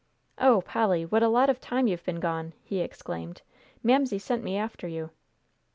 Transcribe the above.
"Oh, Polly, what a lot of time you've been gone!" he exclaimed. "Mamsie sent me after you."